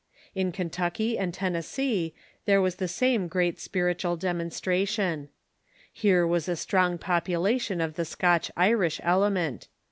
In Kentucky and Tennessee there was the same great spiritual demonstration. Here was a strong popu lation of the Scotch Irish element.